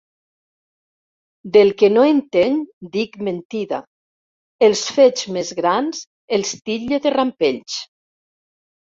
Del que no entenc dic mentida, els fets més grans els titlle de rampells.